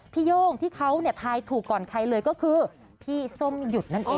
โย่งที่เขาเนี่ยทายถูกก่อนใครเลยก็คือพี่ส้มหยุดนั่นเอง